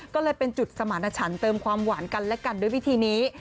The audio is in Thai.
ก็เลยเป็นจุดสมารณชันเติมความหวานกันและกันด้วยวิธีนี้